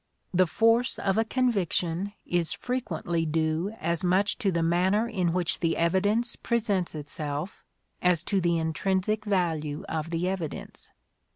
The force of a conviction is frequently due as much to the manner in which the evidence presents itself, as to the intrinsic value of the evidence.